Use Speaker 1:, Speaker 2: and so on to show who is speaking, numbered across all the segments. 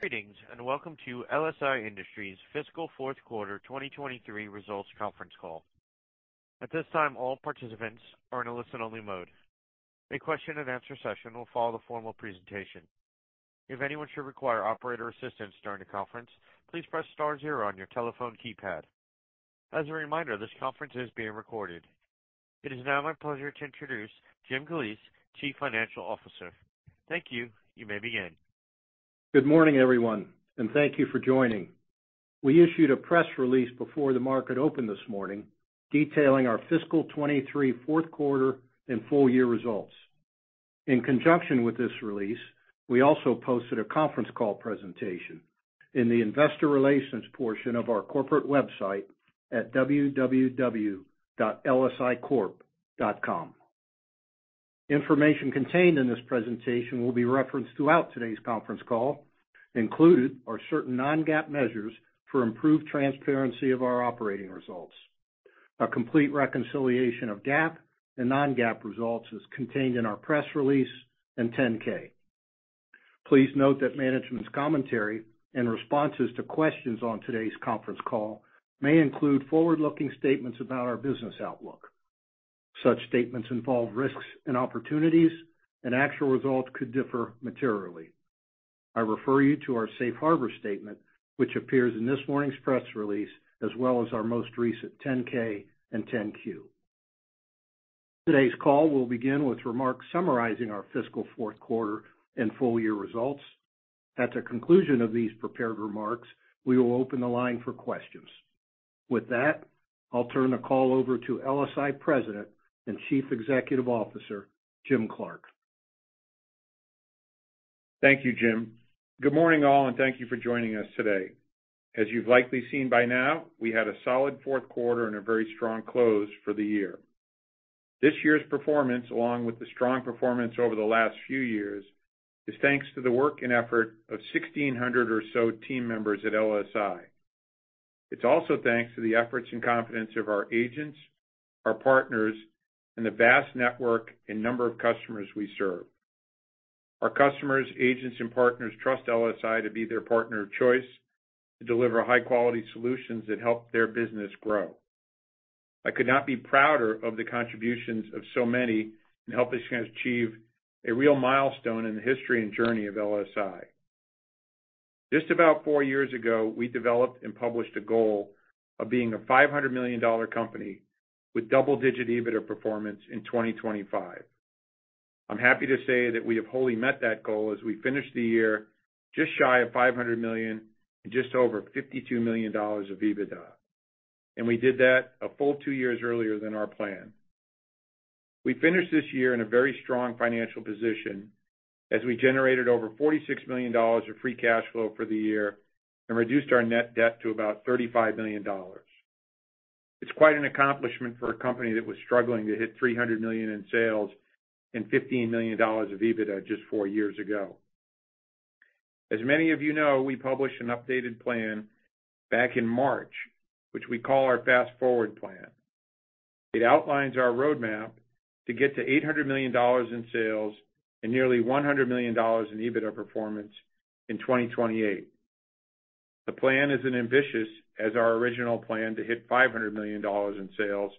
Speaker 1: Greetings, and welcome to LSI Industries' Fiscal Fourth Quarter 2023 Results Conference Call. At this time, all participants are in a listen-only mode. A question and answer session will follow the formal presentation. If anyone should require operator assistance during the conference, please press star zero on your telephone keypad. As a reminder, this conference is being recorded. It is now my pleasure to introduce James Galeese, Chief Financial Officer. Thank you. You may begin.
Speaker 2: Good morning, everyone, and thank you for joining. We issued a press release before the market opened this morning, detailing our fiscal 2023 fourth quarter and full-year results. In conjunction with this release, we also posted a conference call presentation in the investor relations portion of our corporate website at www.lsicorp.com. Information contained in this presentation will be referenced throughout today's conference call. Included are certain non-GAAP measures for improved transparency of our operating results. A complete reconciliation of GAAP and non-GAAP results is contained in our press release and Form 10-K. Please note that management's commentary and responses to questions on today's conference call may include forward-looking statements about our business outlook. Such statements involve risks and opportunities, and actual results could differ materially. I refer you to our safe harbor statement, which appears in this morning's press release, as well as our most recent Form 10-K and 10-Q. Today's call will begin with remarks summarizing our fiscal fourth quarter and full-year results. At the conclusion of these prepared remarks, we will open the line for questions. With that, I'll turn the call over to LSI President and Chief Executive Officer, James Clark.
Speaker 3: Thank you, James. Good morning, all, and thank you for joining us today. As you've likely seen by now, we had a solid fourth quarter and a very strong close for the year. This year's performance, along with the strong performance over the last few years, is thanks to the work and effort of 1,600 or so team members at LSI. It's also thanks to the efforts and confidence of our agents, our partners, and the vast network and number of customers we serve. Our customers, agents, and partners trust LSI to be their partner of choice, to deliver high-quality solutions that help their business grow. I could not be prouder of the contributions of so many in helping us achieve a real milestone in the history and journey of LSI. Just about four years ago, we developed and published a goal of being a $500 million company with double-digit EBITDA performance in 2025. I'm happy to say that we have wholly met that goal as we finished the year just shy of $500 million and just over $52 million of EBITDA, we did that a full two years earlier than our plan. We finished this year in a very strong financial position as we generated over $46 million of free cash flow for the year and reduced our net debt to about $35 million. It's quite an accomplishment for a company that was struggling to hit $300 million in sales and $15 million of EBITDA just four years ago. As many of you know, we published an updated plan back in March, which we call our Fast Forward plan. It outlines our roadmap to get to $800 million in sales and nearly $100 million in EBITDA performance in 2028. The plan is an ambitious as our original plan to hit $500 million in sales,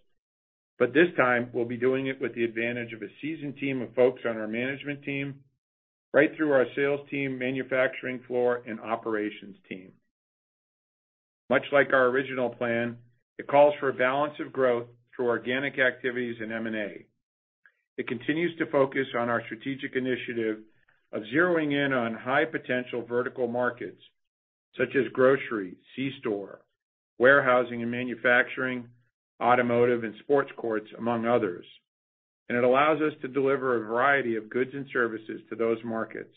Speaker 3: but this time we'll be doing it with the advantage of a seasoned team of folks on our management team, right through our sales team, manufacturing floor, and operations team. Much like our original plan, it calls for a balance of growth through organic activities and M&A. It continues to focus on our strategic initiative of zeroing in on high-potential vertical markets such as grocery, C-store, warehousing and manufacturing, automotive, and sports courts, among others. It allows us to deliver a variety of goods and services to those markets.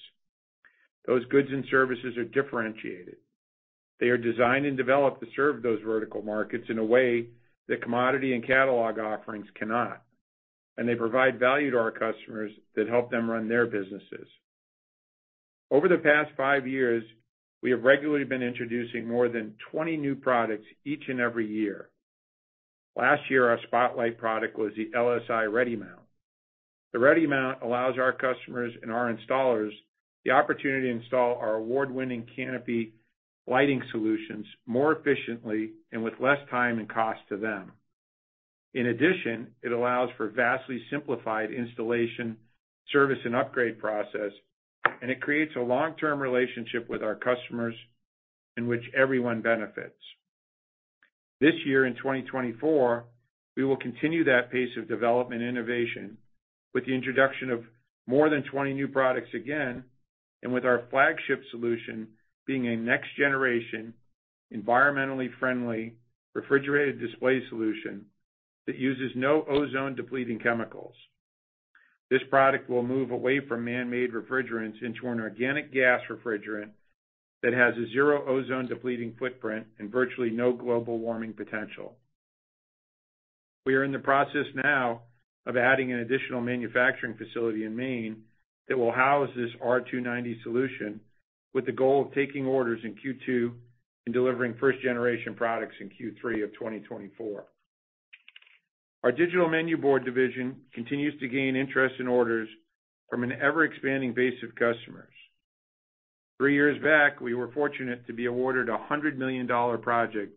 Speaker 3: Those goods and services are differentiated. They are designed and developed to serve those vertical markets in a way that commodity and catalog offerings cannot. They provide value to our customers that help them run their businesses. Over the past five years, we have regularly been introducing more than 20 new products each and every year. Last year, our spotlight product was the LSI REDiMount. The REDiMount allows our customers and our installers the opportunity to install our award-winning canopy lighting solutions more efficiently and with less time and cost to them. In addition, it allows for vastly simplified installation, service, and upgrade process. It creates a long-term relationship with our customers in which everyone benefits. This year, in 2024, we will continue that pace of development innovation with the introduction of more than 20 new products again, and with our flagship solution being a next-generation, environmentally friendly, refrigerated display solution that uses no ozone-depleting substances. This product will move away from man-made refrigerateds into an organic gas refrigerated that has a zero ozone-depleting footprint and virtually no global warming potential. We are in the process now of adding an additional manufacturing facility in Maine that will house this R290 solution, with the goal of taking orders in Q2 and delivering first-generation products in Q3 of 2024. Our digital menu board division continues to gain interest in orders from an ever-expanding base of customers. Three years back, we were fortunate to be awarded a $100 million project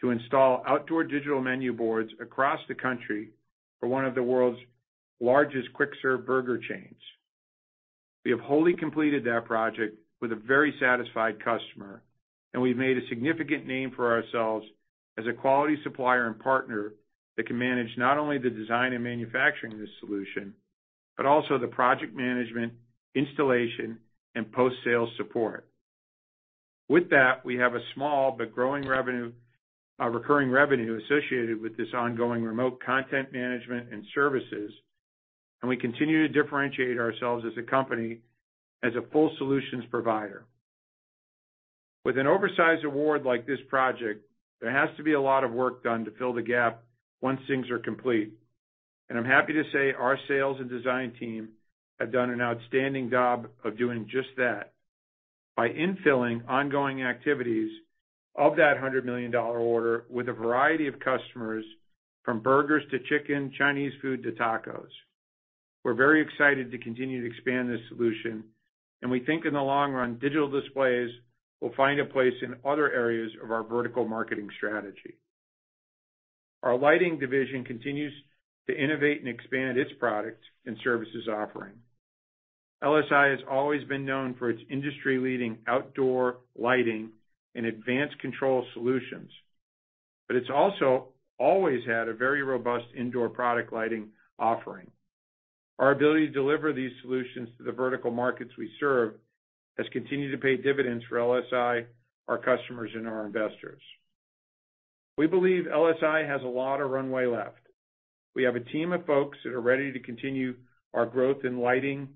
Speaker 3: to install outdoor digital menu boards across the country for one of the world's largest quick-serve burger chains. We have wholly completed that project with a very satisfied customer. We've made a significant name for ourselves as a quality supplier and partner that can manage not only the design and manufacturing of this solution, but also the project management, installation, and post-sales support. With that, we have a small but growing revenue, recurring revenue associated with this ongoing remote content management and services. We continue to differentiate ourselves as a company, as a full solutions provider. With an oversized award like this project, there has to be a lot of work done to fill the gap once things are complete. I'm happy to say our sales and design team have done an outstanding job of doing just that. By infilling ongoing activities of that $100 million order with a variety of customers, from burgers to chicken, Chinese food to tacos. We're very excited to continue to expand this solution, and we think in the long run, digital displays will find a place in other areas of our vertical marketing strategy. Our lighting division continues to innovate and expand its products and services offering. LSI has always been known for its industry-leading outdoor lighting and advanced control solutions, but it's also always had a very robust indoor product lighting offering. Our ability to deliver these solutions to the vertical markets we serve, has continued to pay dividends for LSI, our customers, and our investors. We believe LSI has a lot of runway left. We have a team of folks that are ready to continue our growth in lighting,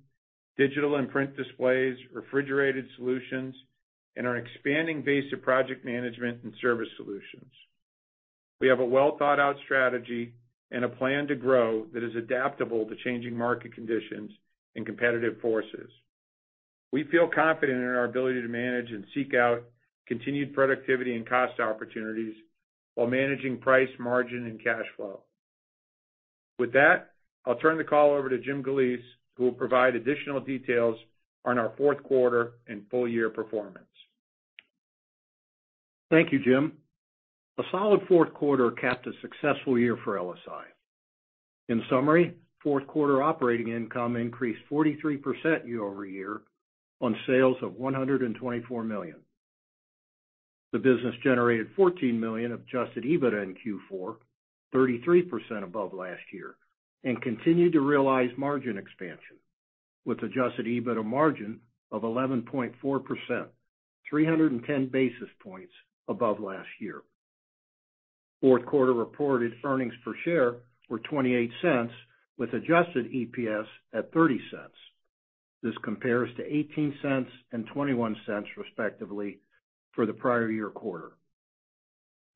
Speaker 3: digital and print displays, refrigerated solutions, and our expanding base of project management and service solutions. We have a well-thought-out strategy and a plan to grow that is adaptable to changing market conditions and competitive forces. We feel confident in our ability to manage and seek out continued productivity and cost opportunities, while managing price, margin, and cash flow. With that, I'll turn the call over to James Galeese, who will provide additional details on our fourth quarter and full-year performance.
Speaker 2: Thank you, Jim. A solid fourth quarter capped a successful year for LSI. In summary, fourth quarter operating income increased 43% year-over-year on sales of $124 million. The business generated $14 million adjusted EBITDA in Q4, 33% above last year, and continued to realize margin expansion with adjusted EBITDA margin of 11.4%, 310 basis points above last year. Fourth quarter reported earnings per share were $0.28, with adjusted EPS at $0.30. This compares to $0.18 and $0.21, respectively, for the prior year quarter.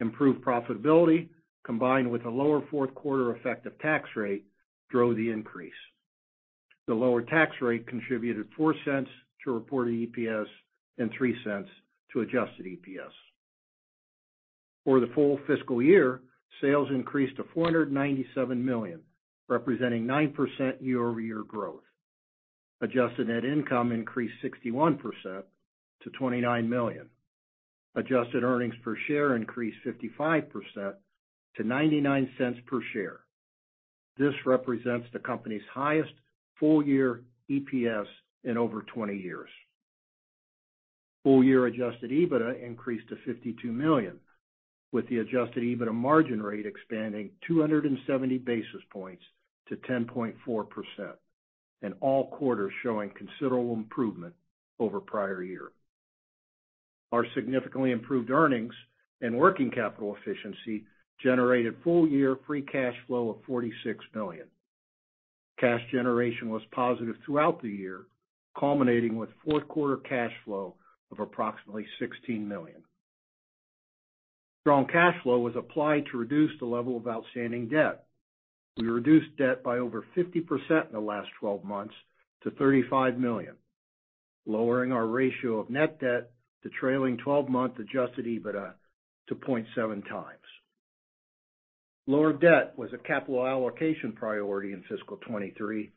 Speaker 2: Improved profitability, combined with a lower fourth quarter effective tax rate, drove the increase. The lower tax rate contributed $0.04 to reported EPS and $0.03 to adjusted EPS. For the full fiscal year, sales increased to $497 million, representing 9% year-over-year growth. Adjusted net income increased 61% to $29 million. Adjusted earnings per share increased 55% to $0.99 per share. This represents the company's highest full-year EPS in over 20 years. full-year adjusted EBITDA increased to $52 million, with the adjusted EBITDA margin rate expanding 270 basis points to 10.4%, and all quarters showing considerable improvement over prior year. Our significantly improved earnings and working capital efficiency generated full-year free cash flow of $46 million. Cash generation was positive throughout the year, culminating with fourth quarter cash flow of approximately $16 million. Strong cash flow was applied to reduce the level of outstanding debt. We reduced debt by over 50% in the last 12 months to $35 million, lowering our ratio of net debt to trailing twelve-month adjusted EBITDA to 0.7x. Lower debt was a capital allocation priority in fiscal 2023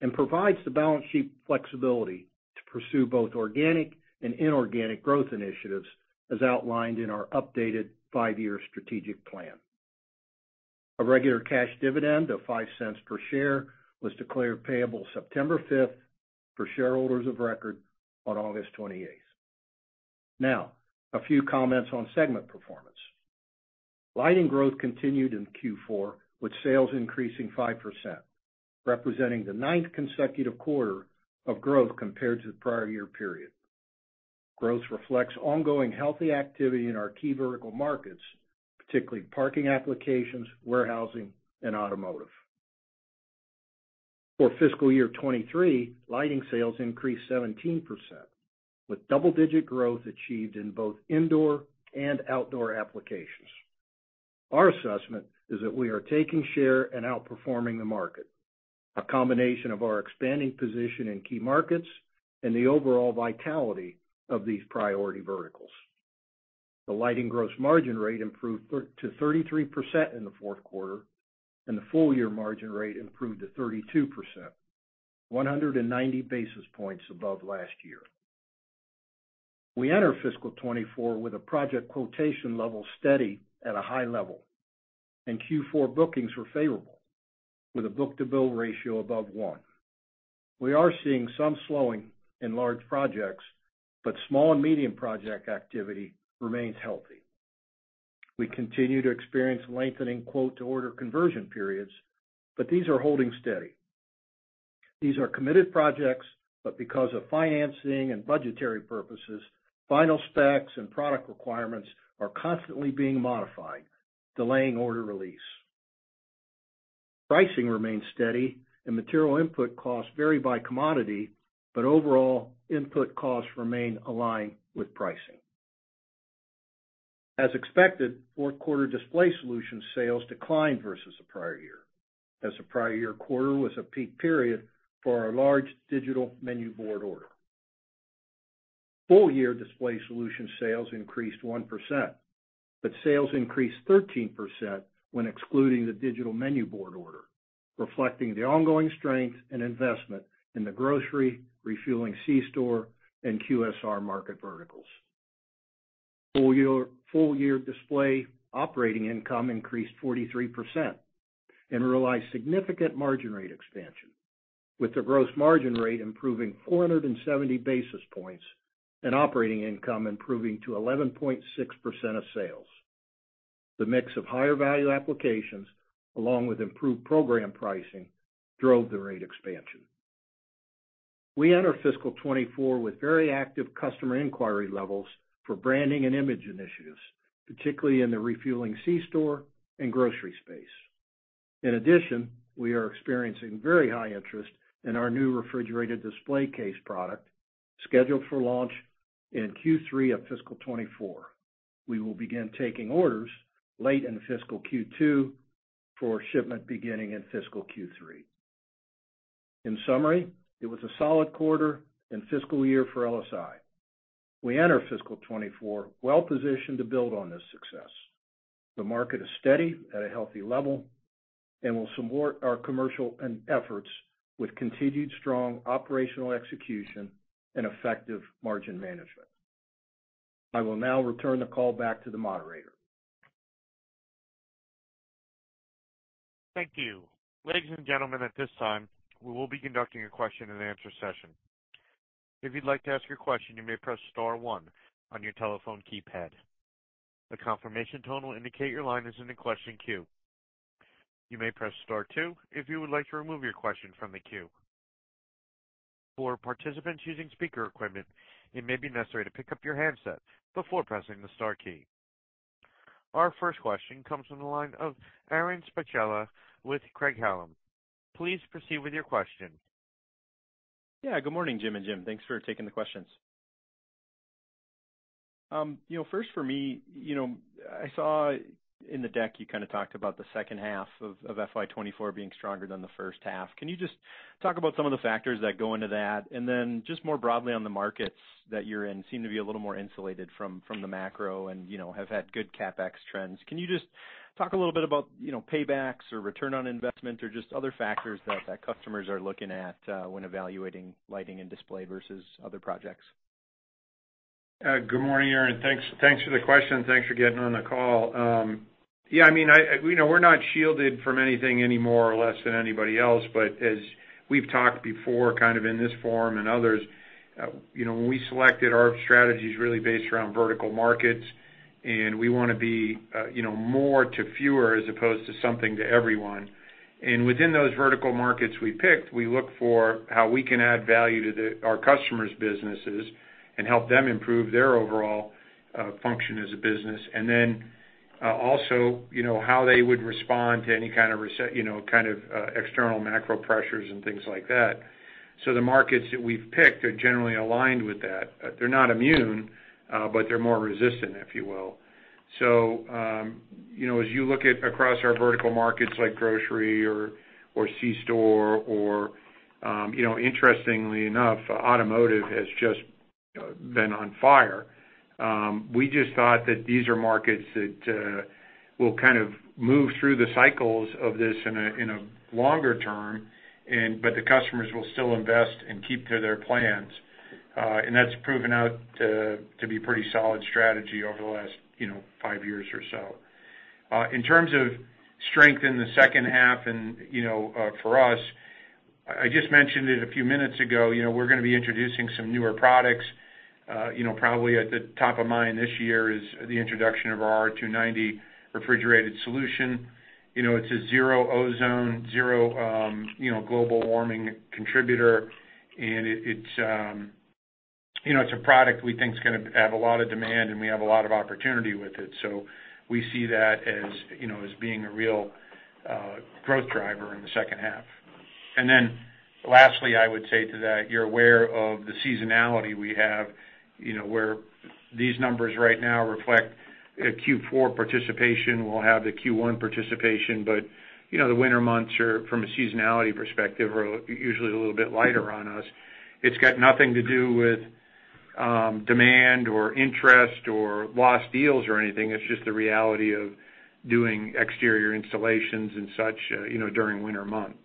Speaker 2: and provides the balance sheet flexibility to pursue both organic and inorganic growth initiatives, as outlined in our updated five-year strategic plan. A regular cash dividend of $0.05 per share was declared payable September 5th, for shareholders of record on August 28th. Now, a few comments on segment performance. Lighting growth continued in Q4, with sales increasing 5%, representing the 9th consecutive quarter of growth compared to the prior year period. Growth reflects ongoing healthy activity in our key vertical markets, particularly parking applications, warehousing, and automotive. For fiscal year 2023, lighting sales increased 17%, with double-digit growth achieved in both indoor and outdoor applications. Our assessment is that we are taking share and outperforming the market, a combination of our expanding position in key markets and the overall vitality of these priority verticals.... The lighting gross margin rate improved to 33% in the fourth quarter. The full-year margin rate improved to 32%, 190 basis points above last year. We enter fiscal 2024 with a project quotation level steady at a high level. Q4 bookings were favorable, with a book-to-bill ratio above 1. We are seeing some slowing in large projects. Small and medium project activity remains healthy. We continue to experience lengthening quote to order conversion periods. These are holding steady. These are committed projects. Because of financing and budgetary purposes, final specs and product requirements are constantly being modified, delaying order release. Pricing remains steady. Material input costs vary by commodity. Overall, input costs remain aligned with pricing. As expected, fourth quarter display solution sales declined versus the prior year, as the prior year quarter was a peak period for our large digital menu board order. full-year display solution sales increased 1%, but sales increased 13% when excluding the digital menu board order, reflecting the ongoing strength and investment in the grocery, refueling C-store, and QSR market verticals. full-year display Operating Income increased 43% and realized significant margin rate expansion, with the Gross Margin rate improving 470 basis points and Operating Income improving to 11.6% of sales. The mix of higher value applications, along with improved program pricing, drove the rate expansion. We enter fiscal 2024 with very active customer inquiry levels for branding and imaging initiatives, particularly in the refueling C-store and grocery space. In addition, we are experiencing very high interest in our new refrigerated display case product, scheduled for launch in Q3 of fiscal 2024. We will begin taking orders late in fiscal Q2 for shipment beginning in fiscal Q3. In summary, it was a solid quarter and fiscal year for LSI. We enter fiscal 2024 well positioned to build on this success. The market is steady at a healthy level and will support our commercial and efforts with continued strong operational execution and effective margin management. I will now return the call back to the moderator.
Speaker 1: Thank you. Ladies and gentlemen, at this time, we will be conducting a question and answer session. If you'd like to ask your question, you may press star one on your telephone keypad. The confirmation tone will indicate your line is in the question queue. You may press star two if you would like to remove your question from the queue. For participants using speaker equipment, it may be necessary to pick up your handset before pressing the star key. Our first question comes from the line of Aaron Spychalla with Craig-Hallum. Please proceed with your question.
Speaker 4: Yeah, good morning, Jim and Jim. Thanks for taking the questions. you know, first for me, you know, I saw in the deck, you kind of talked about the second half of FY 2024 being stronger than the first half. Can you just talk about some of the factors that go into that? just more broadly on the markets that you're in, seem to be a little more insulated from, from the macro and, you know, have had good CapEx trends. Can you just talk a little bit about, you know, paybacks or return on investment or just other factors that, that customers are looking at, when evaluating lighting and display versus other projects?
Speaker 2: Good morning, Aaron. Thanks, thanks for the question, and thanks for getting on the call. Yeah, I mean, I, we know we're not shielded from anything anymore or less than anybody else, but as we've talked before, kind of in this forum and others, you know, when we selected our strategies really based around vertical markets, and we wanna be, you know, more to fewer as opposed to something to everyone. Within those vertical markets we picked, we look for how we can add value to the, our customers' businesses and help them improve their overall function as a business. Then, also, you know, how they would respond to any kind of reci- you know, kind of, external macro pressures and things like that. The markets that we've picked are generally aligned with that. They're not immune, but they're more resistant, if you will. You know, as you look at across our vertical markets like grocery or, or C-store or, you know, interestingly enough, automotive has just been on fire. We just thought that these are markets that will kind of move through the cycles of this in a, in a longer term, and but the customers will still invest and keep to their plans. That's proven out to, to be pretty solid strategy over the last, you know, five years or so. In terms of strength in the second half, you know, for us, I just mentioned it a few minutes ago, you know, we're gonna be introducing some newer products. You know, probably at the top of mind this year is the introduction of our R290 refrigerated solution. You know, it's a zero ozone, zero, you know, global warming contributor, and it, it's, you know, it's a product we think is gonna have a lot of demand, and we have a lot of opportunity with it. We see that as, you know, as being a real growth driver in the second half. Then lastly, I would say to that, you're aware of the seasonality we have, you know, where these numbers right now.
Speaker 3: Q4 participation, we'll have the Q1 participation, you know, the winter months are, from a seasonality perspective, are usually a little bit lighter on us. It's got nothing to do with demand or interest or lost deals or anything. It's just the reality of doing exterior installations and such, you know, during winter months.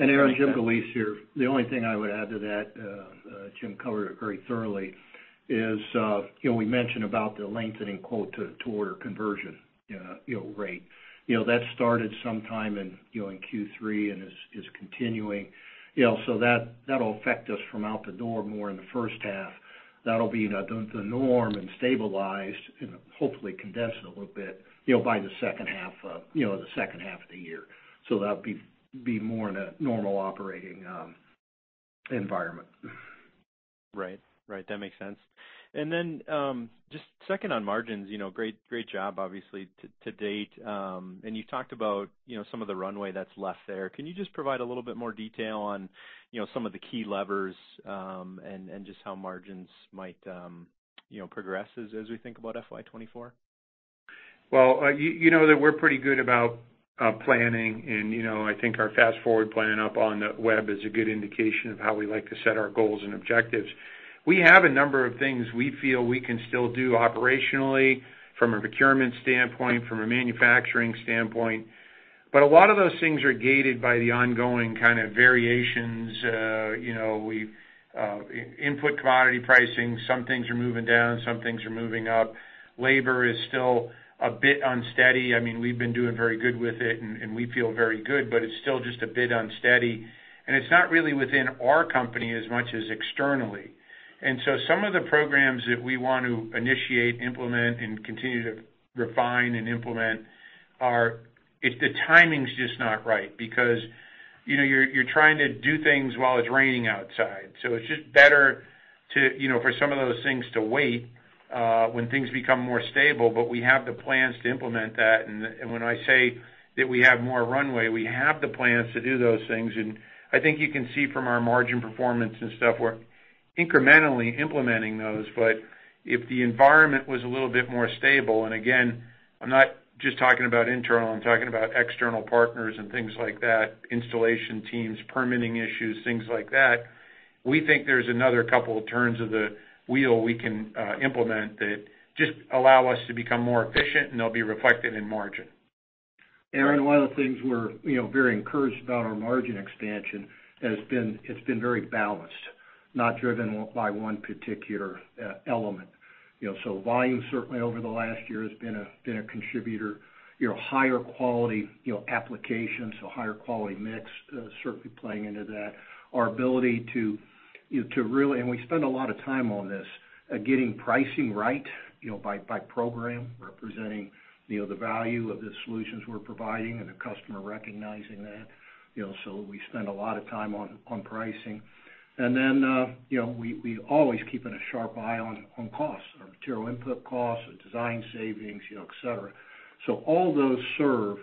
Speaker 2: Aaron, Jim Galeese here. The only thing I would add to that, Jim covered it very thoroughly, is, you know, we mentioned about the lengthening quote to order conversion, you know, rate. You know, that started sometime in, you know, in Q3 and is, is continuing, you know, so that, that'll affect us from out the door more in the first half. That'll be the norm and stabilized and hopefully condensed a little bit, you know, by the second half of, you know, the second half of the year. That'd be more in a normal operating environment.
Speaker 4: Right. Right, that makes sense. Just second on margins, you know, great, great job, obviously, to, to date. You talked about, you know, some of the runway that's left there. Can you just provide a little bit more detail on, you know, some of the key levers, and, and just how margins might, you know, progress as, as we think about FY 2024?
Speaker 3: Well, you, you know that we're pretty good about planning and, you know, I think our Fast Forward planning up on the web is a good indication of how we like to set our goals and objectives. We have a number of things we feel we can still do operationally from a procurement standpoint, from a manufacturing standpoint. A lot of those things are gated by the ongoing kind of variations. You know, we've. Input commodity pricing, some things are moving down, some things are moving up. Labor is still a bit unsteady. I mean, we've been doing very good with it, and, and we feel very good, but it's still just a bit unsteady, and it's not really within our company as much as externally. Some of the programs that we want to initiate, implement, and continue to refine and implement are. It's the timing's just not right, because, you know, you're, you're trying to do things while it's raining outside. It's just better to, you know, for some of those things to wait when things become more stable, but we have the plans to implement that. When I say that we have more runway, we have the plans to do those things, and I think you can see from our margin performance and stuff, we're incrementally implementing those. If the environment was a little bit more stable, and again, I'm not just talking about internal, I'm talking about external partners and things like that, installation teams, permitting issues, things like that. We think there's another couple of turns of the wheel we can implement that just allow us to become more efficient, and they'll be reflected in margin.
Speaker 2: Aaron, one of the things we're, you know, very encouraged about our margin expansion, it has been, it's been very balanced, not driven by one particular element. You know, volume, certainly over the last year, has been a, been a contributor. You know, higher quality, you know, application, so higher quality mix, certainly playing into that. Our ability to, you, to really. We spend a lot of time on this, getting pricing right, you know, by, by program, representing, you know, the value of the solutions we're providing and the customer recognizing that, you know, so we spend a lot of time on, on pricing. Then, you know, we, we always keeping a sharp eye on, on costs, our material input costs, our design savings, you know, et cetera. All those serve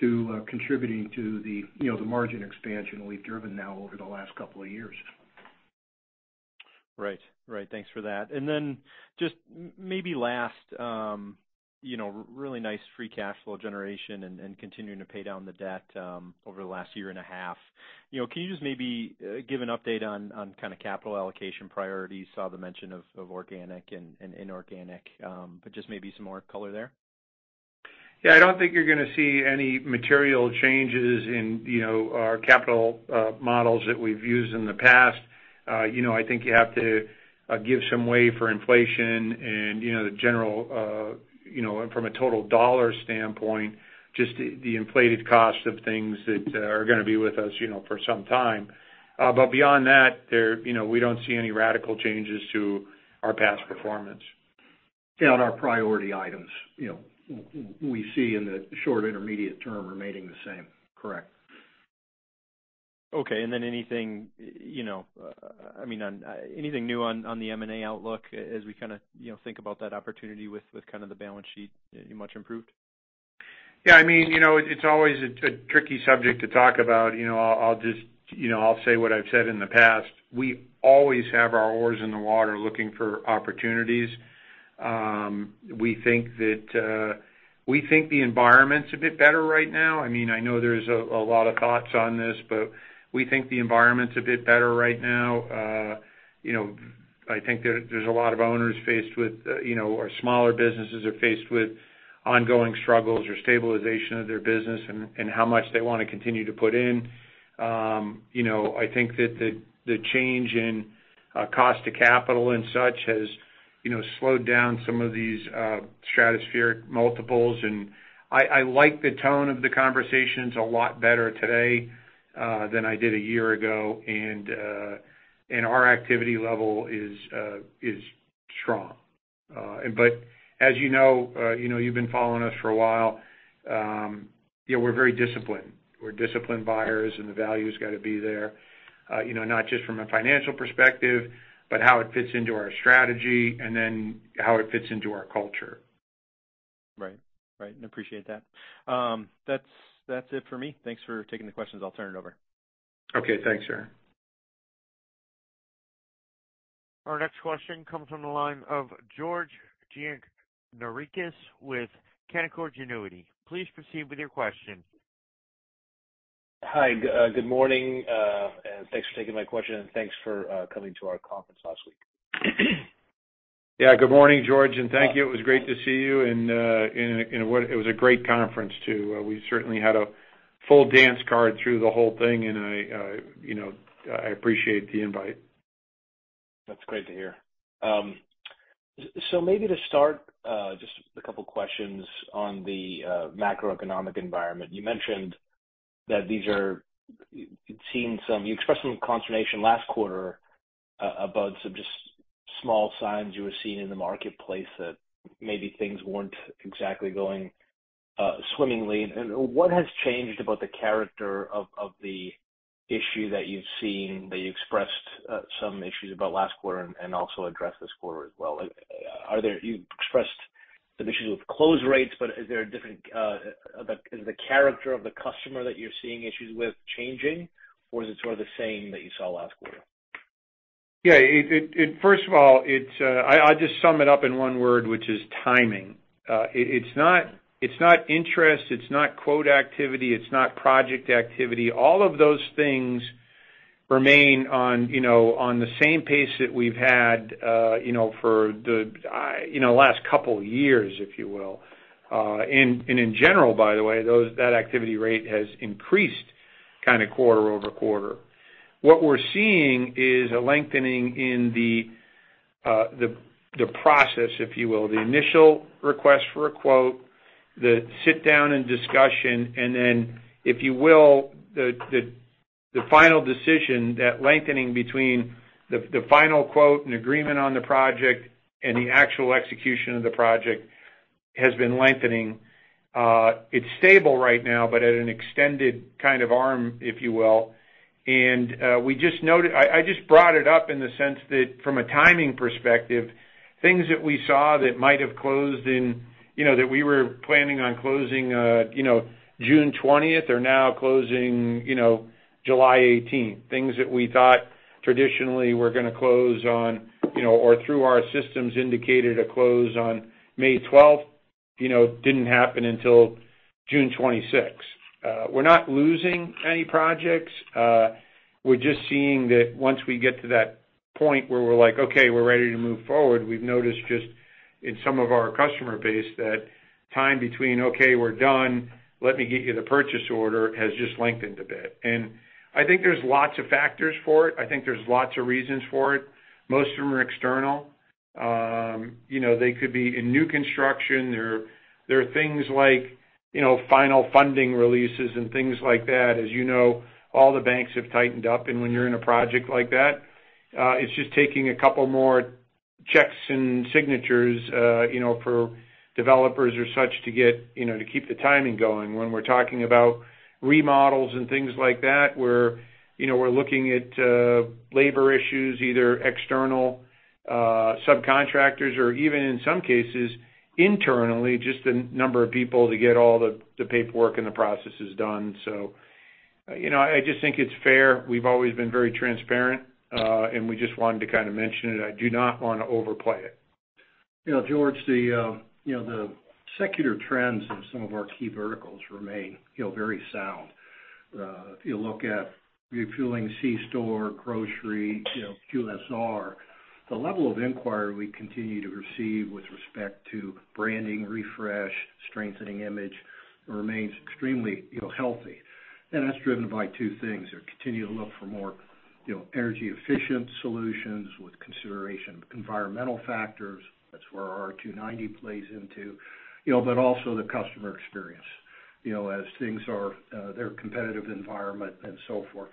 Speaker 2: to, contributing to the, you know, the margin expansion we've driven now over the last couple of years.
Speaker 4: Right. Right, thanks for that. Then just maybe last, you know, really nice free cash flow generation and, and continuing to pay down the debt, over the last year and a half. You know, can you just maybe give an update on, on kind of capital allocation priorities? Saw the mention of, of organic and, and inorganic, but just maybe some more color there.
Speaker 3: Yeah, I don't think you're gonna see any material changes in, you know, our capital models that we've used in the past. You know, I think you have to give some way for inflation and, you know, the general, you know, from a total dollar standpoint, just the, the inflated cost of things that are gonna be with us, you know, for some time. Beyond that, there, you know, we don't see any radical changes to our past performance.
Speaker 2: Our priority items, you know, we see in the short, intermediate term remaining the same, correct?
Speaker 4: Okay. Then anything, you know, I mean, on anything new on, on the M&A outlook as we kind of, you know, think about that opportunity with, with kind of the balance sheet much improved?
Speaker 3: Yeah, I mean, you know, it, it's always a, a tricky subject to talk about. You know, I'll just, you know, I'll say what I've said in the past: We always have our oars in the water looking for opportunities. We think that, we think the environment's a bit better right now. I mean, I know there's a, a lot of thoughts on this, but we think the environment's a bit better right now. You know, I think there, there's a lot of owners faced with, you know, or smaller businesses are faced with ongoing struggles or stabilization of their business and, and how much they want to continue to put in. You know, I think that the, the change in cost of capital and such has, you know, slowed down some of these stratospheric multiples, and I, I like the tone of the conversations a lot better today than I did a year ago, and our activity level is strong. As you know, you know, you've been following us for a while, you know, we're very disciplined. We're disciplined buyers, and the value has got to be there, you know, not just from a financial perspective, but how it fits into our strategy, and then how it fits into our culture.
Speaker 4: Right. Right, and appreciate that. That's, that's it for me. Thanks for taking the questions. I'll turn it over.
Speaker 3: Okay, thanks, Aaron.
Speaker 2: Our next question comes from the line of George Gianarikas with Canaccord Genuity. Please proceed with your question.
Speaker 5: Hi, good morning, and thanks for taking my question, and thanks for coming to our conference last week.
Speaker 3: Yeah. Good morning, George, and thank you. It was great to see you, and it was a great conference, too. We certainly had a full dance card through the whole thing, and I, you know, I appreciate the invite.
Speaker 5: That's great to hear. So maybe to start, just a couple questions on the macroeconomic environment. You expressed some consternation last quarter about some just small signs you were seeing in the marketplace that maybe things weren't exactly going swimmingly. What has changed about the character of, of the issue that you've seen, that you expressed, some issues about last quarter and, and also addressed this quarter as well? Are there. You expressed some issues with close rates, but is there a different, is the character of the customer that you're seeing issues with changing, or is it sort of the same that you saw last quarter?
Speaker 3: Yeah, it first of all, it's. I'll just sum it up in one word, which is timing. It's not, it's not interest, it's not quote activity, it's not project activity. All of those things remain on, you know, on the same pace that we've had, you know, for the, you know, last couple years, if you will. In general, by the way, that activity rate has increased kind of quarter-over-quarter. What we're seeing is a lengthening in the, the process, if you will, the initial request for a quote, the sit-down and discussion, and then, if you will, the, the, the final decision, that lengthening between the, the final quote and agreement on the project and the actual execution of the project, has been lengthening. It's stable right now, but at an extended kind of arm, if you will. We just noted. I just brought it up in the sense that from a timing perspective, things that we saw that might have closed in, you know, that we were planning on closing, you know, June 20th, are now closing, you know, July 18th. Things that we thought traditionally were gonna close on, you know, or through our systems, indicated a close on May 12th, you know, didn't happen until June 26th. We're not losing any projects. We're just seeing that once we get to that point where we're like, "Okay, we're ready to move forward," we've noticed just in some of our customer base, that time between, "Okay, we're done. Let me get you the purchase order," has just lengthened a bit. I think there's lots of factors for it. I think there's lots of reasons for it. Most of them are external. You know, they could be in new construction. There, there are things like, you know, final funding releases and things like that. As you know, all the banks have tightened up, and when you're in a project like that, it's just taking a couple more checks and signatures, you know, for developers or such to get, you know, to keep the timing going. When we're talking about remodels and things like that, we're, you know, we're looking at, labor issues, either external, subcontractors or even in some cases, internally, just the number of people to get all the, the paperwork and the processes done. You know, I just think it's fair. We've always been very transparent, and we just wanted to kind of mention it. I do not want to overplay it.
Speaker 2: You know, George, the, you know, the secular trends in some of our key verticals remain, you know, very sound. If you look at refueling, C-store, grocery, you know, QSR, the level of inquiry we continue to receive with respect to branding, refresh, strengthening image, remains extremely, you know, healthy. That's driven by two things. They're continuing to look for more, you know, energy-efficient solutions with consideration of environmental factors. That's where our R-290 plays into, you know, but also the customer experience, you know, as things are, their competitive environment and so forth.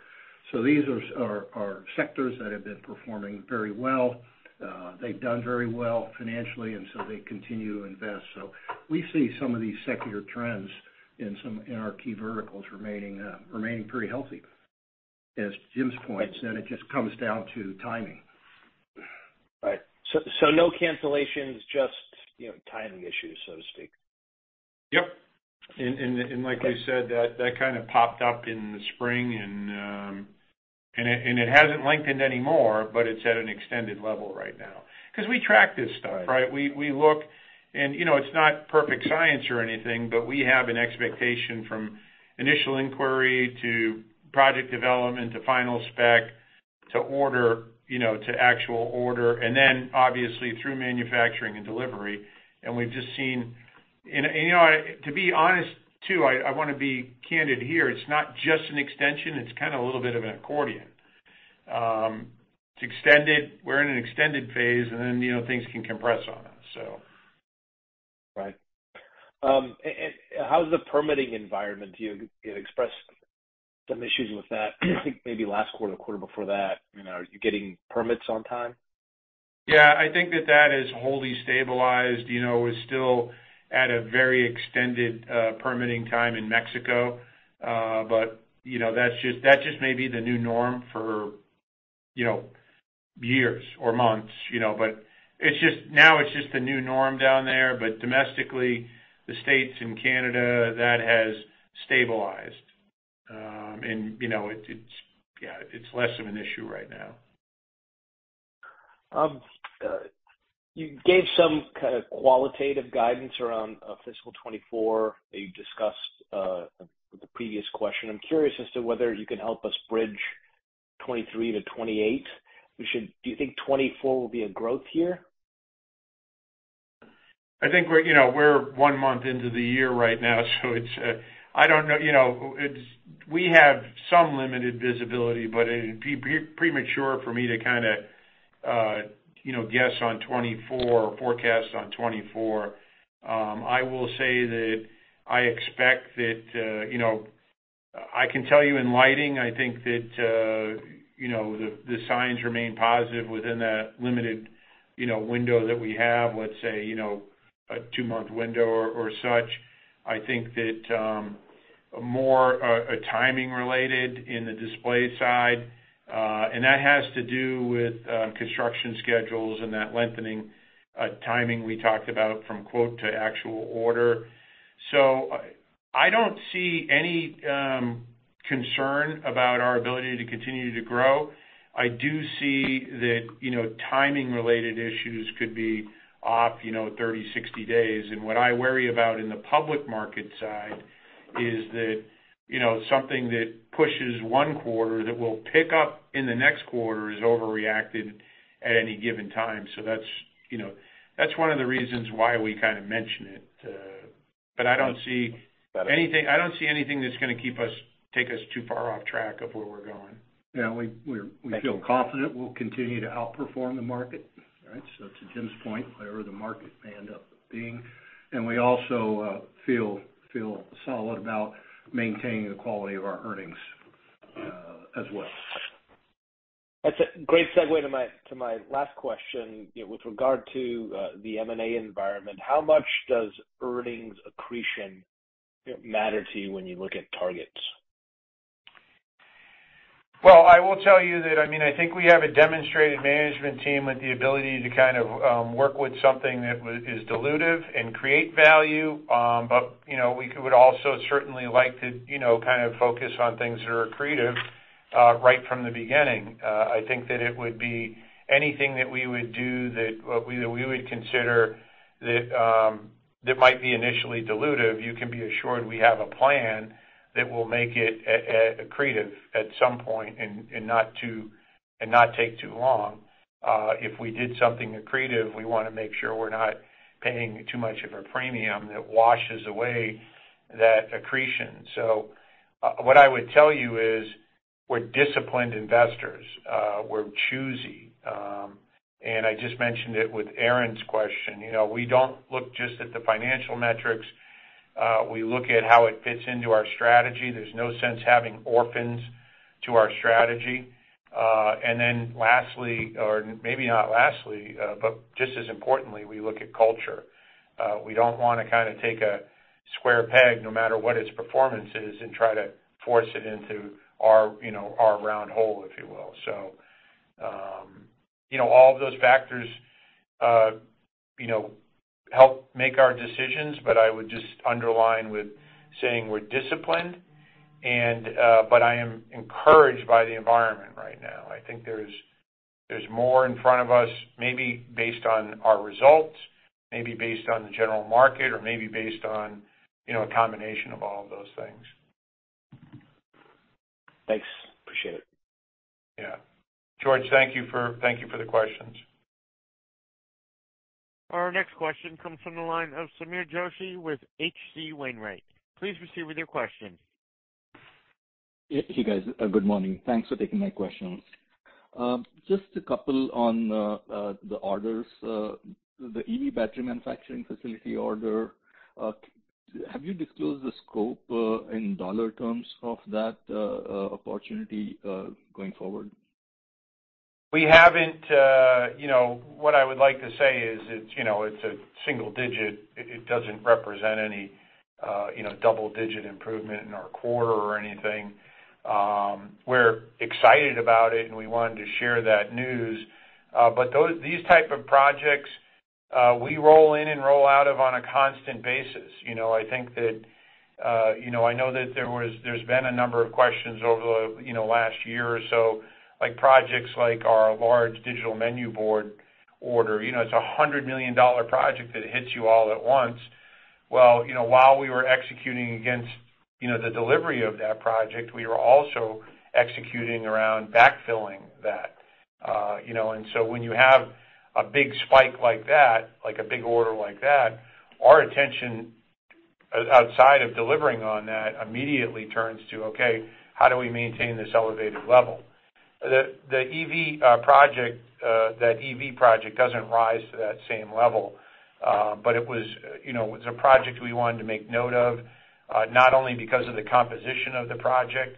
Speaker 2: These are, are, are sectors that have been performing very well. They've done very well financially, and so they continue to invest. We see some of these secular trends in some- in our key verticals remaining, remaining pretty healthy. As Jim's points, then it just comes down to timing.
Speaker 5: Right. So no cancellations, just, you know, timing issues, so to speak?
Speaker 3: Yep. Like we said, that, that kind of popped up in the spring, and it, and it hasn't lengthened any more, but it's at an extended level right now. Because we track this stuff, right? We, we look and, you know, it's not perfect science or anything, but we have an expectation from initial inquiry to project development, to final spec, to order, you know, to actual order, and then obviously through manufacturing and delivery. We've just seen. You know, To be honest, too, I, I want to be candid here. It's not just an extension, it's kind of a little bit of an accordion. It's extended. We're in an extended phase, and then, you know, things can compress on us so.
Speaker 5: Right. How's the permitting environment? You expressed some issues with that, I think maybe last quarter or quarter before that. You know, are you getting permits on time?
Speaker 3: Yeah, I think that that is wholly stabilized. You know, it's still at a very extended permitting time in Mexico. You know, that's just, that just may be the new norm for, you know, years or months, you know, it's just, now it's just the new norm down there. Domestically, the States and Canada, that has stabilized. You know, it, it's, yeah, it's less of an issue right now.
Speaker 5: You gave some kind of qualitative guidance around fiscal 2024 that you've discussed with the previous question. I'm curious as to whether you can help us bridge 2023 to 2028. Do you think 2024 will be a growth year?
Speaker 3: I think we're, you know, we're one month into the year right now, so it's, I don't know, you know, it's, we have some limited visibility, but it'd be premature for me to kind of, you know, guess on 2024 or forecast on 2024. I will say that I expect that, you know, I can tell you in lighting, I think that, you know, the signs remain positive within that limited, you know, window that we have, let's say, you know, a two-month window or such. I think that, more, a timing related in the display side, and that has to do with, construction schedules and that lengthening, timing we talked about from quote to actual order. I don't see any concern about our ability to continue to grow. I do see that, you know, timing-related issues could be off, you know, 30, 60 days. What I worry about in the public market side is that, you know, something that pushes one quarter that will pick up in the next quarter is overreacted at any given time. That's, you know, that's one of the reasons why we kind of mention it, but I don't see anything that's gonna take us too far off track of where we're going.
Speaker 2: Yeah.
Speaker 5: Thank you.
Speaker 2: We feel confident we'll continue to outperform the market. All right? To Jim's point, wherever the market may end up being, we also feel solid about maintaining the quality of our earnings as well.
Speaker 5: That's a great segue to my, to my last question. You know, with regard to the M&A environment, how much does earnings accretion matter to you when you look at targets?
Speaker 3: Well, I will tell you that, I mean, I think we have a demonstrated management team with the ability to kind of work with something that is dilutive and create value. You know, we would also certainly like to, you know, kind of focus on things that are accretive right from the beginning. I think that it would be anything that we would do that we, we would consider that might be initially dilutive, you can be assured we have a plan that will make it accretive at some point and not take too long. If we did something accretive, we wanna make sure we're not paying too much of a premium that washes away that accretion. What I would tell you is, we're disciplined investors, we're choosy. I just mentioned it with Aaron's question, you know, we don't look just at the financial metrics, we look at how it fits into our strategy. There's no sense having orphans to our strategy. Lastly, or maybe not lastly, but just as importantly, we look at culture. We don't wanna kind of take a square peg, no matter what its performance is, and try to force it into our, you know, our round hole, if you will. You know, all of those factors, you know, help make our decisions, but I would just underline with saying we're disciplined, and but I am encouraged by the environment right now. I think there's, there's more in front of us, maybe based on our results, maybe based on the general market, or maybe based on, you know, a combination of all of those things.
Speaker 5: Thanks. Appreciate it.
Speaker 3: Yeah. George, thank you for, thank you for the questions.
Speaker 1: Our next question comes from the line of Sameer Joshi with H.C. Wainwright. Please proceed with your question.
Speaker 6: Hey, guys, good morning. Thanks for taking my questions. Just a couple on the orders. The EV battery manufacturing facility order, have you disclosed the scope in dollar terms of that opportunity going forward?
Speaker 3: We haven't. You know, what I would like to say is, it's, you know, it's a single digit. It, it doesn't represent any, you know, double-digit improvement in our quarter or anything. We're excited about it, and we wanted to share that news, these type of projects, we roll in and roll out of on a constant basis. You know, I think that, you know, I know that there's been a number of questions over the, you know, last year or so, like projects like our large digital menu board order. You know, it's a $100 million project that hits you all at once. Well, you know, while we were executing against, you know, the delivery of that project, we were also executing around backfilling that. You know, so when you have a big spike like that, like a big order like that, our attention, outside of delivering on that, immediately turns to: Okay, how do we maintain this elevated level? The, the EV project, that EV project doesn't rise to that same level. It was, you know, it was a project we wanted to make note of, not only because of the composition of the project,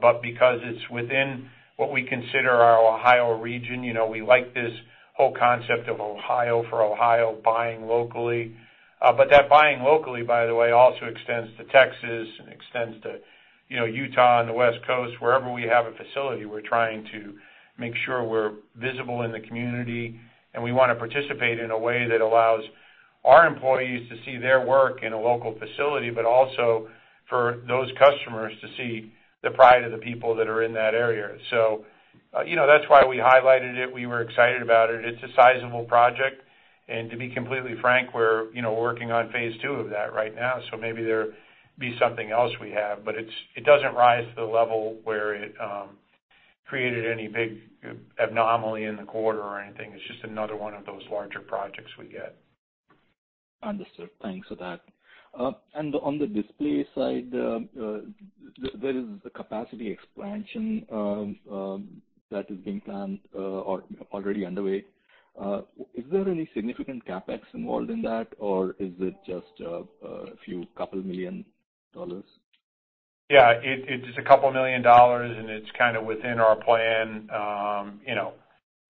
Speaker 3: but because it's within what we consider our Ohio region. You know, we like this whole concept of Ohio for Ohio, buying locally. That buying locally, by the way, also extends to Texas and extends to, you know, Utah and the West Coast. Wherever we have a facility, we're trying to make sure we're visible in the community, and we want to participate in a way that allows our employees to see their work in a local facility, but also for those customers to see the pride of the people that are in that area. You know, that's why we highlighted it. We were excited about it. It's a sizable project, and to be completely frank, we're, you know, working on phase two of that right now. Maybe there be something else we have, but it doesn't rise to the level where it created any big anomaly in the quarter or anything. It's just another one of those larger projects we get.
Speaker 6: Understood. Thanks for that. On the display side, there is the capacity expansion that is being planned or already underway. Is there any significant CapEx involved in that, or is it just a few couple million dollars?
Speaker 3: Yeah, it, it's $2 million, it's kind of within our plan, you know,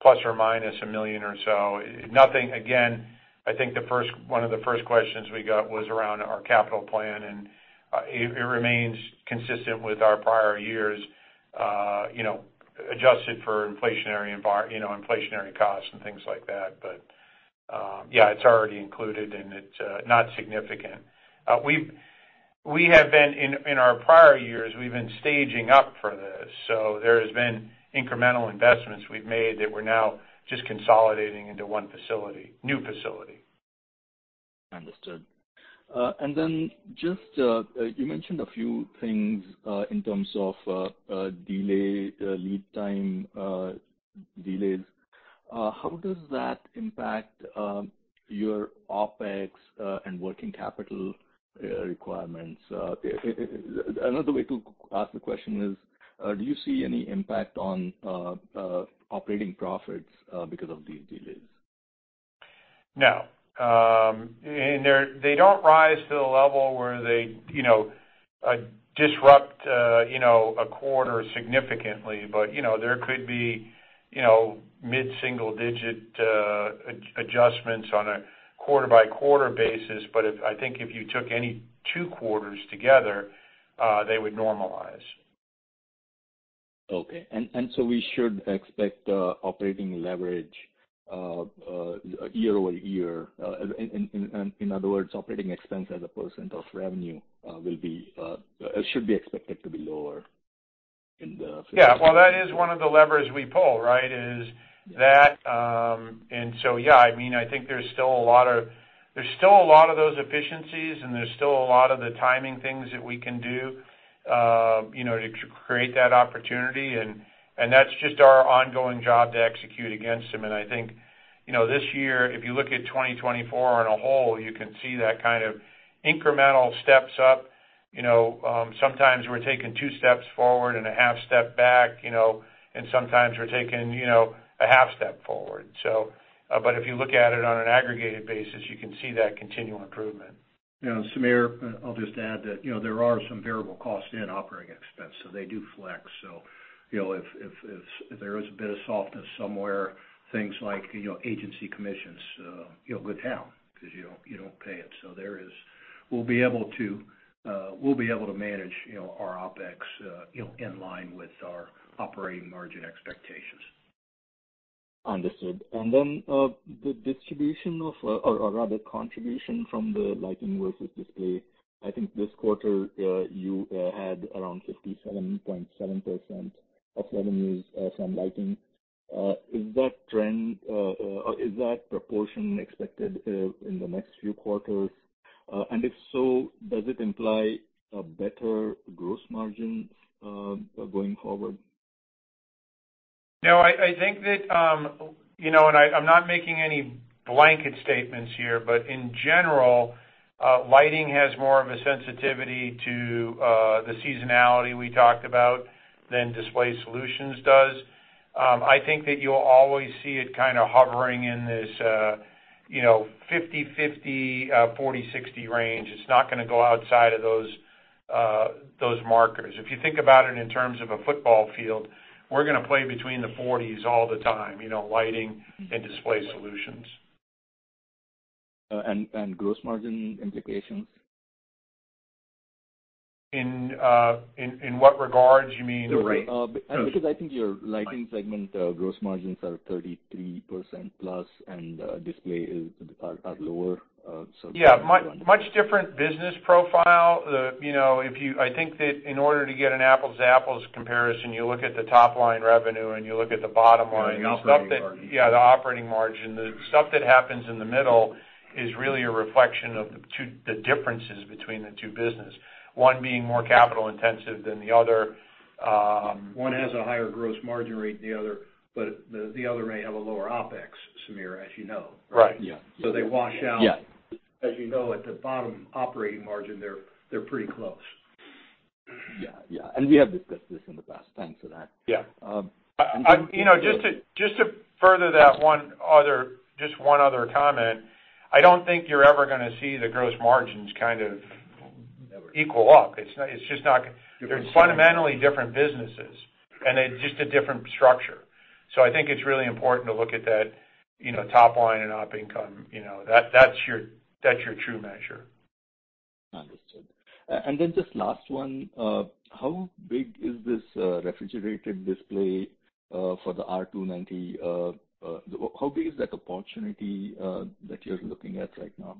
Speaker 3: ±$1 million or so. Nothing, again, I think the 1st-- one of the 1st questions we got was around our capital plan, it, it remains consistent with our prior years, you know, adjusted for inflationary, you know, inflationary costs and things like that. Yeah, it's already included, and it's not significant. We have been... In, in our prior years, we've been staging up for this, there has been incremental investments we've made that we're now just consolidating into 1 facility, new facility.
Speaker 6: Understood. Then just, you mentioned a few things, in terms of, delay, lead time, delays. How does that impact your OpEx and working capital requirements? Another way to ask the question is, do you see any impact on operating profits because of these delays?
Speaker 3: No. They don't rise to the level where they, you know, disrupt, you know, a quarter significantly. You know, there could be, you know, mid-single digit adjustments on a quarter-by-quarter basis. If I think if you took any two quarters together, they would normalize.
Speaker 6: Okay. So we should expect operating leverage year-over-year. In other words, operating expense as a % of revenue will be should be expected to be lower in the.
Speaker 3: Yeah, well, that is one of the levers we pull, right?
Speaker 6: Yeah.
Speaker 3: That, yeah, I mean, I think there's still a lot of, there's still a lot of those efficiencies, and there's still a lot of the timing things that we can do, you know, to create that opportunity, and that's just our ongoing job to execute against them. I think, you know, this year, if you look at 2024 on a whole, you can see that kind of incremental steps up. You know, sometimes we're taking two steps forward and a half step back, you know, and sometimes we're taking, you know, a half step forward. If you look at it on an aggregated basis, you can see that continual improvement.
Speaker 2: You know, Sameer, I'll just add that, you know, there are some variable costs in operating expense, so they do flex. You know, if, if, if there is a bit of softness somewhere, things like, you know, agency commissions, you know, go down because you don't, you don't pay it. We'll be able to, we'll be able to manage, you know, our OpEx, you know, in line with our operating margin expectations.
Speaker 6: Understood. The distribution of, or, or rather, contribution from the lighting versus display, I think this quarter, you had around 57.7% of revenues from lighting. Is that trend, is that proportion expected in the next few quarters? If so, does it imply a better gross margin going forward?
Speaker 3: No, I, I think that, you know, I'm not making any blanket statements here, but in general, lighting has more of a sensitivity to, the seasonality we talked about than display solutions does. I think that you'll always see it kind of hovering in this, you know, 50/50, 40/60 range. It's not gonna go outside of those, those markers. If you think about it in terms of a football field, we're gonna play between the 40s all the time, you know, lighting and display solutions.
Speaker 6: And gross margin implications?
Speaker 3: In what regards you mean the rate?
Speaker 6: Because I think your lighting segment, gross margins are 33% plus, and display is, are, are lower.
Speaker 3: Yeah, much, much different business profile. The, you know, I think that in order to get an apples-to-apples comparison, you look at the top-line revenue, and you look at the bottom line.
Speaker 6: Yeah, operating margin.
Speaker 3: Yeah, the operating margin. The stuff that happens in the middle is really a reflection of the two- the differences between the two business. One being more capital intensive than the other.
Speaker 2: One has a higher gross margin rate than the other, but the, the other may have a lower OpEx, Samir, as you know, right?
Speaker 6: Right. Yeah.
Speaker 2: They wash out.
Speaker 6: Yeah.
Speaker 2: As you know, at the bottom operating margin, they're, they're pretty close.
Speaker 6: Yeah. Yeah. We have discussed this in the past. Thanks for that.
Speaker 2: Yeah.
Speaker 3: You know, just to, just to further that just one other comment, I don't think you're ever gonna see the gross margins kind of.
Speaker 6: Never
Speaker 3: equal up. It's not, it's just not-
Speaker 6: Different businesses.
Speaker 3: They're fundamentally different businesses, and they're just a different structure. I think it's really important to look at that, you know, top line and op income. You know, that's, that's your, that's your true measure.
Speaker 6: Understood. Then just last one, how big is this refrigerated display for the R290? How big is that opportunity that you're looking at right now?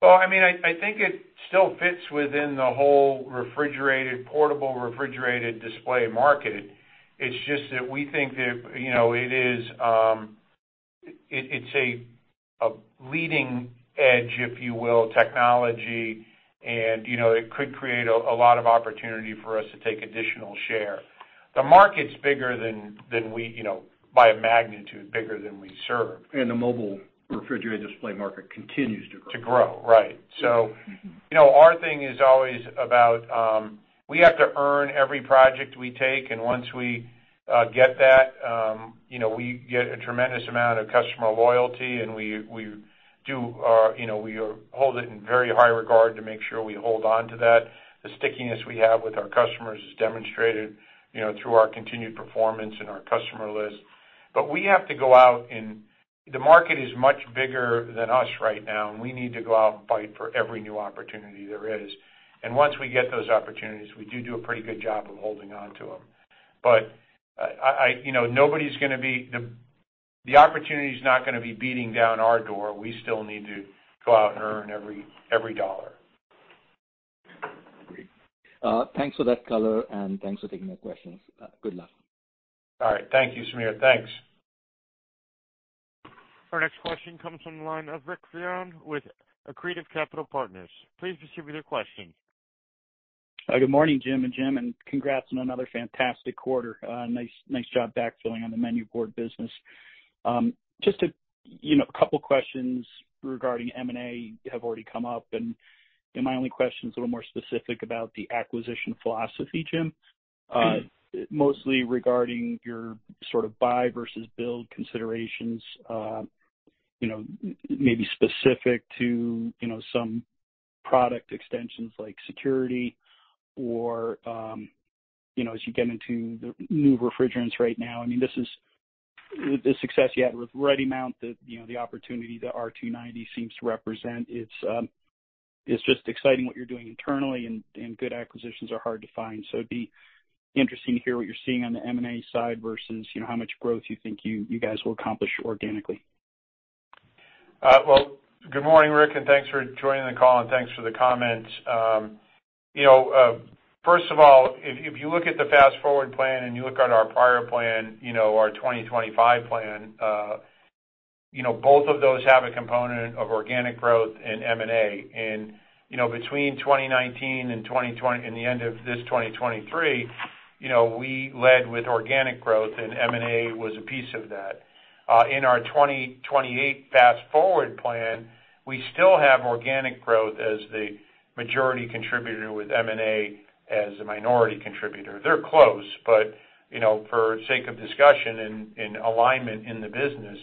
Speaker 3: Well, I mean, I, I think it still fits within the whole refrigerated, portable refrigerated display market. It's just that we think that, you know, it is, it, it's a, a leading edge, if you will, technology, and, you know, it could create a, a lot of opportunity for us to take additional share. The market's bigger than, than we, you know, by a magnitude, bigger than we serve.
Speaker 2: The mobile refrigerated display market continues to grow.
Speaker 3: To grow, right. You know, our thing is always about, we have to earn every project we take, and once we get that, you know, we get a tremendous amount of customer loyalty, and we, we do, you know, we hold it in very high regard to make sure we hold on to that. The stickiness we have with our customers is demonstrated, you know, through our continued performance and our customer list. We have to go out, the market is much bigger than us right now, and we need to go out and fight for every new opportunity there is. Once we get those opportunities, we do, do a pretty good job of holding on to them. I, I, you know, nobody's gonna be the, the opportunity is not gonna be beating down our door. We still need to go out and earn every, every dollar.
Speaker 2: Agreed.
Speaker 6: Thanks for that color, and thanks for taking the questions. Good luck.
Speaker 3: All right. Thank you, Samir. Thanks.
Speaker 1: Our next question comes from the line of Richard Fearon with Accretive Capital Partners. Please distribute your question.
Speaker 7: Good morning, Jim and Jim, and congrats on another fantastic quarter. Nice, nice job backfilling on the menu board business. Just a, you know, a couple of questions regarding M&A have already come up, and my only question is a little more specific about the acquisition philosophy, Jim. Mostly regarding your sort of buy versus build considerations, you know, maybe specific to, you know, some product extensions like security or, you know, as you get into the new refrigerateds right now. I mean, this is the success you had with REDiMount, the, you know, the opportunity that R290 seems to represent. It's, it's just exciting what you're doing internally, and good acquisitions are hard to find. It'd be interesting to hear what you're seeing on the M&A side versus, you know, how much growth you think you guys will accomplish organically?
Speaker 3: Well, good morning, Rick, and thanks for joining the call, and thanks for the comments. You know, first of all, if, if you look at the Fast Forward plan and you look at our prior plan, you know, our 2025 plan, you know, both of those have a component of organic growth and M&A. You know, between 2019 and the end of this 2023, you know, we led with organic growth, and M&A was a piece of that. In our 2028 Fast Forward plan, we still have organic growth as the majority contributor, with M&A as a minority contributor. They're close, you know, for sake of discussion and, and alignment in the business,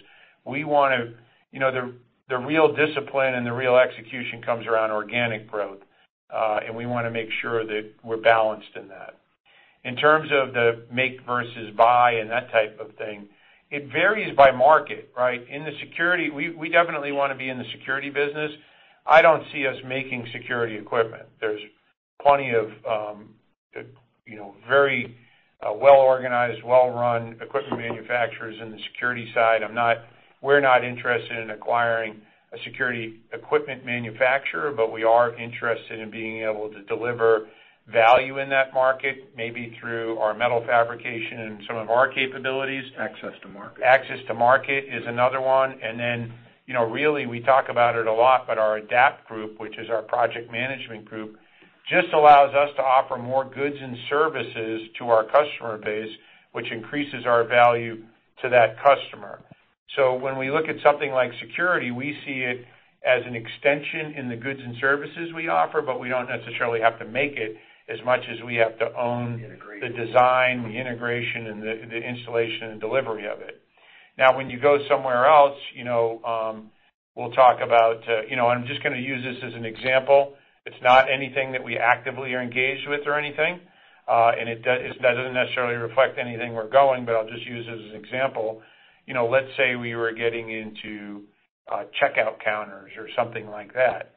Speaker 3: we want to... You know, the, the real discipline and the real execution comes around organic growth, and we wanna make sure that we're balanced in that. In terms of the make versus buy and that type of thing, it varies by market, right? In the security, we, we definitely want to be in the security business. I don't see us making security equipment. There's plenty of, you know, very well-organized, well-run equipment manufacturers in the security side. We're not interested in acquiring a security equipment manufacturer, but we are interested in being able to deliver value in that market, maybe through our metal fabrication and some of our capabilities.
Speaker 2: Access to market.
Speaker 3: Access to market is another one. Then, you know, really, we talk about it a lot, but our ADAPT group, which is our project management group, just allows us to offer more goods and services to our customer base, which increases our value to that customer. When we look at something like security, we see it as an extension in the goods and services we offer, but we don't necessarily have to make it as much as we have to own.
Speaker 2: Integration.
Speaker 3: the design, the integration, and the, the installation and delivery of it. Now, when you go somewhere else, you know, we'll talk about. You know, I'm just gonna use this as an example. It's not anything that we actively are engaged with or anything, and it does, it doesn't necessarily reflect anything we're going, but I'll just use it as an example. You know, let's say we were getting into checkout counters or something like that.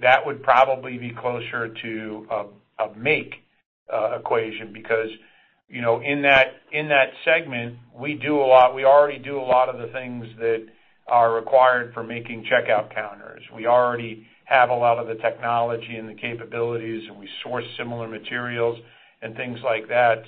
Speaker 3: That would probably be closer to a, a make equation because, you know, in that, in that segment, we already do a lot of the things that are required for making checkout counters. We already have a lot of the technology and the capabilities, and we source similar materials and things like that.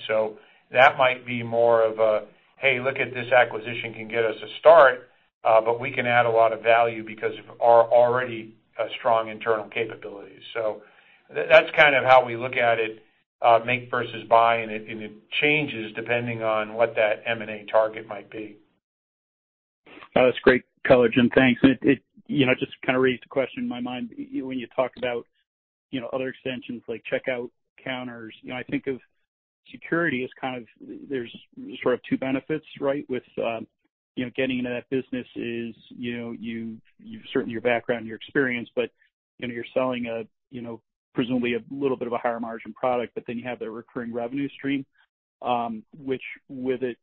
Speaker 3: That might be more of a, hey, look at this acquisition can get us a start, but we can add a lot of value because of our already strong internal capabilities. That's kind of how we look at it, make versus buy, and it, and it changes depending on what that M&A target might be.
Speaker 7: That's great color, Jim, thanks. It, it, you know, just kind of raised a question in my mind. When you talk about, you know, other extensions like checkout counters, you know, I think of security as kind of, there's sort of two benefits, right, with, you know, getting into that business is, you know, you, you've certainly your background, your experience, but, you know, you're selling a, you know, presumably a little bit of a higher margin product, but then you have the recurring revenue stream, which with it,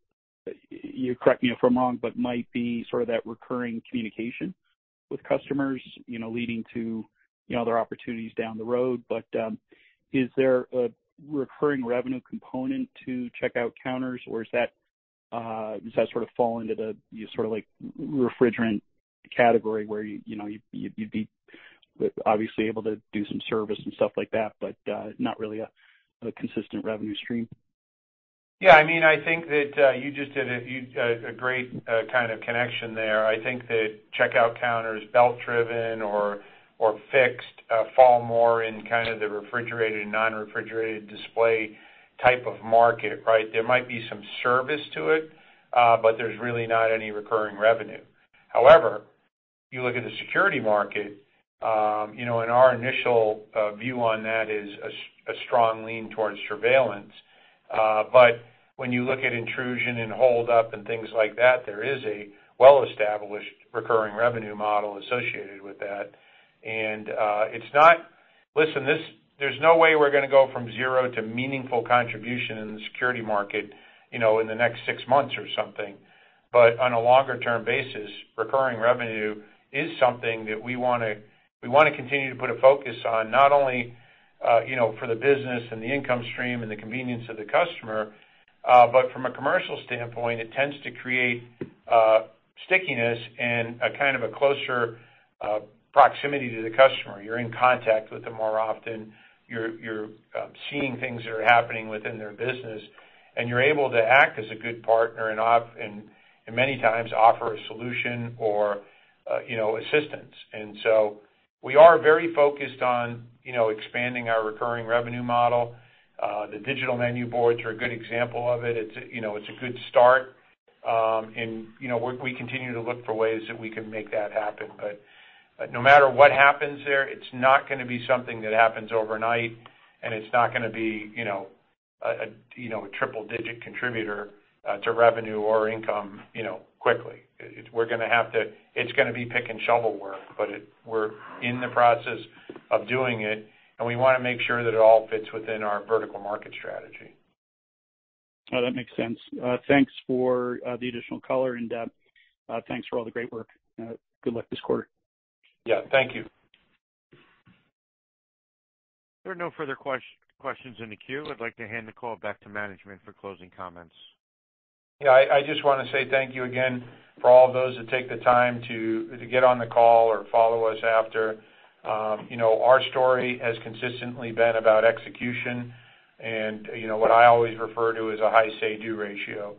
Speaker 7: you correct me if I'm wrong, but might be sort of that recurring communication with customers, you know, leading to, you know, other opportunities down the road. Is there a recurring revenue component to checkout counters, or is that? does that sort of fall into the sort of like refrigerated category where you, you know, you, you'd be obviously able to do some service and stuff like that, but, not really a consistent revenue stream?
Speaker 3: Yeah, I mean, I think that, you just did a, you, a great, kind of connection there. I think that checkout counters, belt-driven or, or fixed, fall more in kind of the refrigerated, non-refrigerated display type of market, right? There might be some service to it, but there's really not any recurring revenue. However, you look at the security market, you know, and our initial view on that is a strong lean towards surveillance. When you look at intrusion and holdup and things like that, there is a well-established recurring revenue model associated with that. It's not. Listen, there's no way we're gonna go from zero to meaningful contribution in the security market, you know, in the next six months or something. On a longer term basis, recurring revenue is something that we wanna, we wanna continue to put a focus on, not only, you know, for the business and the income stream and the convenience of the customer, but from a commercial standpoint, it tends to create stickiness and a kind of a closer proximity to the customer. You're in contact with them more often. You're, you're seeing things that are happening within their business, and you're able to act as a good partner and many times offer a solution or, you know, assistance. So we are very focused on, you know, expanding our recurring revenue model. The digital menu boards are a good example of it. It's a, you know, it's a good start. You know, we, we continue to look for ways that we can make that happen. No matter what happens there, it's not gonna be something that happens overnight, and it's not gonna be, you know, a, a, you know, a triple-digit contributor to revenue or income, you know, quickly. It's gonna be pick and shovel work, but we're in the process of doing it, and we wanna make sure that it all fits within our vertical market strategy.
Speaker 7: Oh, that makes sense. Thanks for the additional color and depth. Thanks for all the great work. Good luck this quarter.
Speaker 3: Yeah, thank you.
Speaker 1: There are no further questions in the queue. I'd like to hand the call back to management for closing comments.
Speaker 3: Yeah, I, I just wanna say thank you again for all those that take the time to, to get on the call or follow us after. You know, our story has consistently been about execution, and, you know, what I always refer to as a high say-do ratio.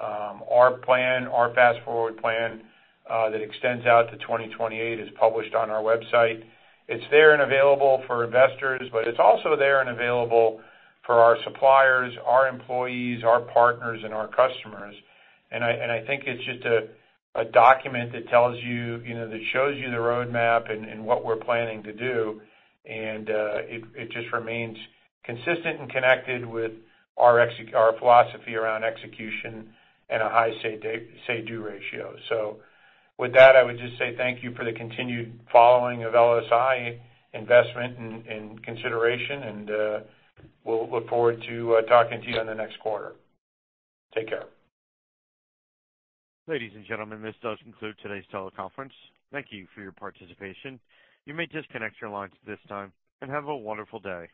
Speaker 3: Our plan, our Fast Forward plan, that extends out to 2028, is published on our website. It's there and available for investors, but it's also there and available for our suppliers, our employees, our partners, and our customers. I, and I think it's just a, a document that tells you, you know, that shows you the roadmap and, and what we're planning to do. It, it just remains consistent and connected with our philosophy around execution and a high say-do ratio. With that, I would just say thank you for the continued following of LSI investment and, and consideration, and we'll look forward to talking to you on the next quarter. Take care.
Speaker 1: Ladies and gentlemen, this does conclude today's teleconference. Thank you for your participation. You may disconnect your lines at this time, and have a wonderful day.